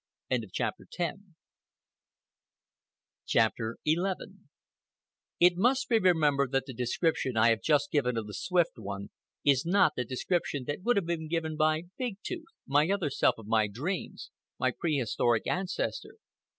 CHAPTER XI It must be remembered that the description I have just given of the Swift One is not the description that would have been given by Big Tooth, my other self of my dreams, my prehistoric ancestor.